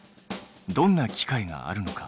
どんな機械があるのか？